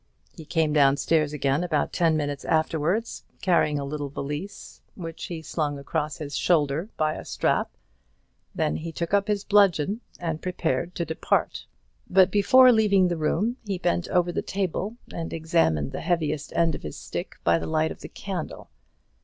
He came down stairs again about ten minutes afterwards carrying a little valise, which he slung across his shoulder by a strap; then he took up his bludgeon and prepared to depart. But before leaving the room he bent over the table, and examined the heaviest end of his stick by the light of the candle.